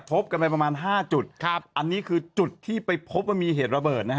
พบกันไปประมาณ๕จุดอันนี้คือจุดที่ไปพบว่ามีเหตุระเบิดนะฮะ